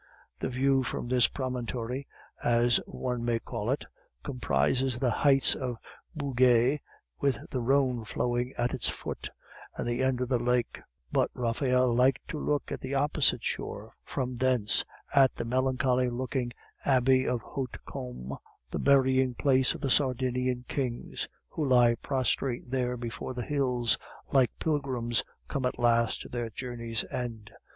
The view from this promontory, as one may call it, comprises the heights of Bugey with the Rhone flowing at their foot, and the end of the lake; but Raphael liked to look at the opposite shore from thence, at the melancholy looking Abbey of Haute Combe, the burying place of the Sardinian kings, who lie prostrate there before the hills, like pilgrims come at last to their journey's end.